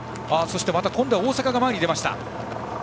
今度は大阪が前に出ました。